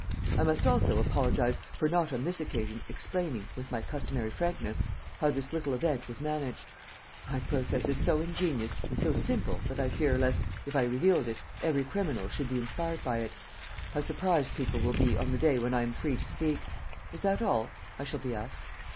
"'I must also apologize for not on this occasion explaining, with my customary frankness, how this little event was managed. My process is so ingenious and so simple that I fear lest, if I revealed it, every criminal should be inspired by it. How surprised people will be on the day when I am free to speak! "Is that all?" I shall be asked.